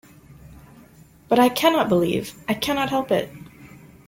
But I cannot believe! I cannot help it!